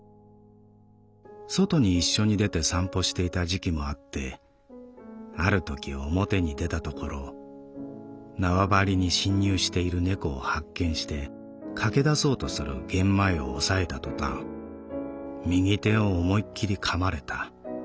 外に一緒に出て散歩していた時期もあってあるとき表に出たところ縄張りに侵入している猫を発見して駆け出そうとするゲンマイを押さえた途端右手を思いっきり噛まれた。